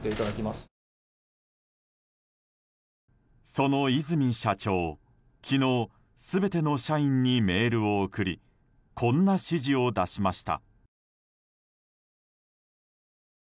その和泉社長、昨日全ての社員にメールを送りこんな指示を出しました。